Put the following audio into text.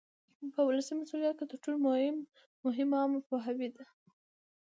په ولسي مسؤلیت کې تر ټولو مهم عامه پوهاوی دی.